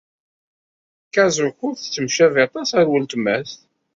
Kazuko tettemcabi aṭas ɣer weltma-s.